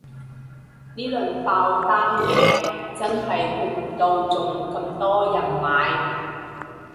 呢輪爆單嘢真係估唔到仲咁多人買